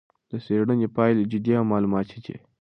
د څېړنې پایلې جدي او معلوماتي دي.